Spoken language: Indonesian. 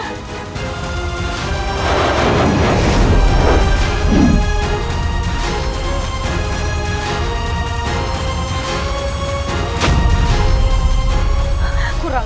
beraninya kau melawanku